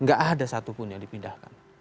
nggak ada satupun yang dipindahkan